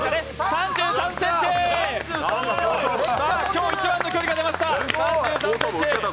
今日一番の距離が出ました。